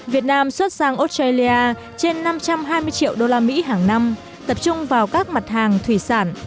việt nam xuất sang australia trên năm trăm hai mươi triệu usd hàng năm tập trung vào các mặt hàng thủy sản